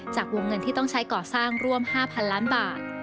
จากวงเงินที่ต้องใช้ก่อสร้างร่วม๕๐๐๐ล้านบาท